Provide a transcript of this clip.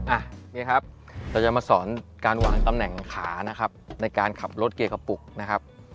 อ่ะนี่ครับเราจะมาสอนการวางตำแหน่งขานะครับในการขับรถเกียร์กระปุกนะครับ